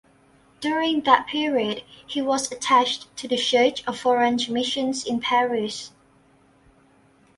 During that period he was attached to the Church of Foreign Missions in Paris.